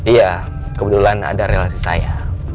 iya kebetulan ada relasi saya